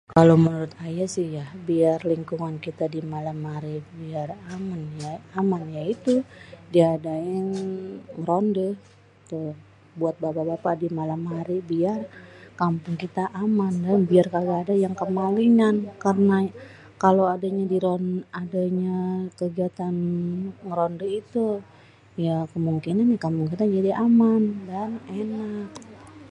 kalo menurut ayé sih ya, biar lingkungan kita di malam hari biar aman ya.. ya itu diadain ngerondé tu.. buat bapak-bapak di malam hari biar kampung kita aman.. biar kalo ada yang kemalingan karena kalo adanya kegiatan ngérondé itu, ya kemungkinan kampung kita jadi aman dan enak..